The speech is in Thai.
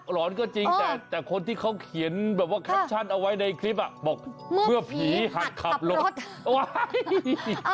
หอนก็จริงแต่คนที่เขาเขียนแบบว่าแคปชั่นเอาไว้ในคลิปอ่ะบอกเมื่อผีหักขับรถเอาไว้